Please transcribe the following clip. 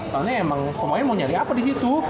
soalnya emang pemain mau nyari apa disitu